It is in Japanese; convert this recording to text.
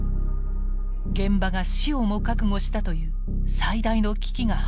現場が死をも覚悟したという最大の危機が始まります。